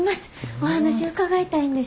お話伺いたいんです。